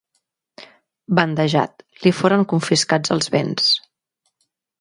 Bandejat, li foren confiscats els béns.